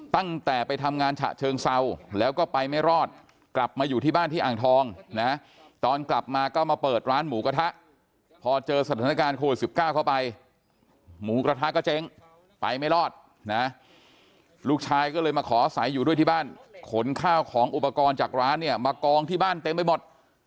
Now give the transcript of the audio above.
ตั้งแต่ไปทำงานฉะเชิงเศร้าแล้วก็ไปไม่รอดกลับมาอยู่ที่บ้านที่อ่างทองนะตอนกลับมาก็มาเปิดร้านหมูกระทะพอเจอสถานการณ์โควิด๑๙เข้าไปหมูกระทะก็เจ๊งไปไม่รอดนะลูกชายก็เลยมาขออาศัยอยู่ด้วยที่บ้านขนข้าวของอุปกรณ์จากร้านเนี่ยมากองที่บ้านเต็มไปหมด